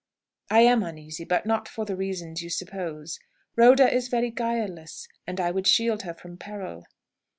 "I am uneasy; but not for the reasons you suppose. Rhoda is very guileless, and I would shield her from peril."